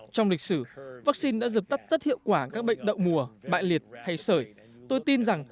trong lịch sử vaccine đã dập tắt rất hiệu quả các bệnh đậu mùa bại liệt hay sởi tôi tin rằng